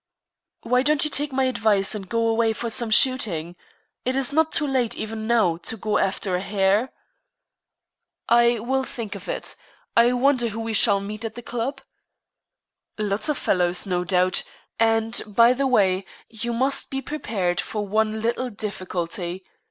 "Why don't you take my advice, and go away for some shooting? It is not too late, even now, to go after a hare." "I will think of it. I wonder who we shall meet at the club." "Lots of fellows, no doubt. And, by the way, you must be prepared for one little difficulty.